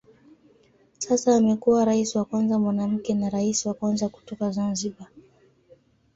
Sasa amekuwa rais wa kwanza mwanamke na rais wa kwanza kutoka Zanzibar.